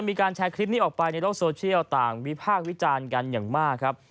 มีการแชร์คลิปนี้ออกไปในโลกโซเชียลต่างวิพากษ์วิจารณ์กันอย่างมากครับ